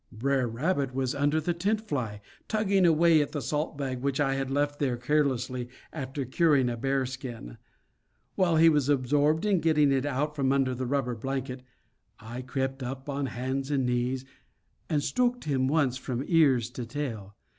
Br'er Rabbit was under the tent fly, tugging away at the salt bag which I had left there carelessly after curing a bearskin. While he was absorbed in getting it out from under the rubber blanket, I crept up on hands and knees, and stroked him once from ears to tail.